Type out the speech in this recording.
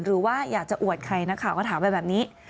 หรือว่าอยากจะอวดใครนักข่าวก็ถามไปแบบนี้